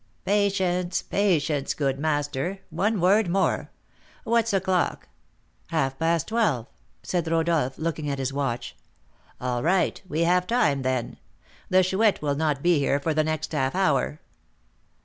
"Patience, patience, good master; one word more. What's o'clock?" "Half past twelve," said Rodolph, looking at his watch. "All right; we have time, then. The Chouette will not be here for the next half hour."